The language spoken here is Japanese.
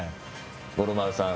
五郎丸さん